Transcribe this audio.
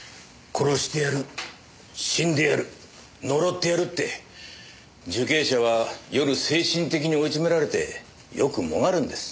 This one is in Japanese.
殺してやる死んでやる呪ってやるって受刑者は夜精神的に追い詰められてよくもがるんです。